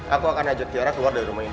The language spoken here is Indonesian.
aku akan ajak tiara keluar dari rumah ini